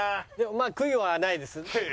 まあ悔いはないです。